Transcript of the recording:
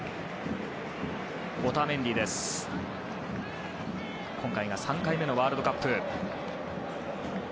オタメンディ、今回が３回目のワールドカップ。